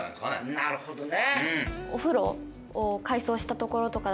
なるほどね。